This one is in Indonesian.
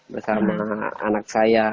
bersama anak saya